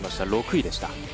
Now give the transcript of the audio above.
６位でした。